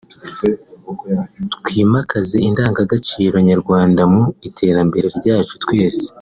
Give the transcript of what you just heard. twimakaze indangagaciro nyarwanda mu iterambere ryacu twese